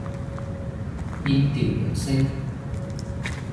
變調入聲